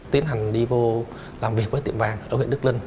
tiến hành đi vô làm việc với tiệm vàng ở huyện đức linh